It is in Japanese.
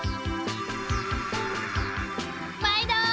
まいど！